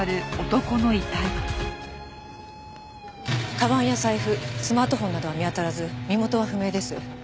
かばんや財布スマートフォンなどは見当たらず身元は不明です。